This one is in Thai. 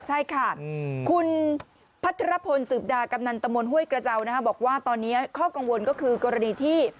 ใช่ค่ะคุณพัทรพลสืบดากำนันตมห้วยกระเจ้าบอกว่าตอนนี้ข้อกังวลก็คือกรณีที่